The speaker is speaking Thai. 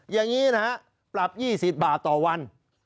อย่างนี้นะฮะปรับ๒๐บาทต่อวัน